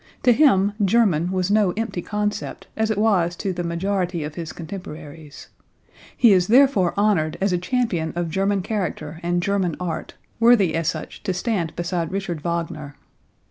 To him "German" was no empty concept, as it was to the majority of his contemporaries. He is therefore honored as a champion of German character and German art, worthy as such to stand beside Richard Wagner.